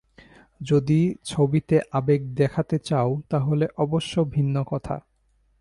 যদি ছবিতে আবেগ দেখাতে চাও, তাহলে অবশ্য ভিন্ন কথা।